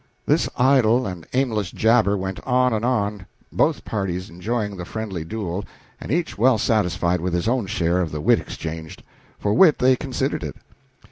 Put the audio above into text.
This idle and aimless jabber went on and on, both parties enjoying the friendly duel and each well satisfied with his own share of the wit exchanged for wit they considered it.